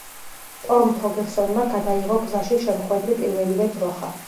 სტორმ თორგერსონმა გადაიღო გზაში შემხვედრი პირველივე ძროხა.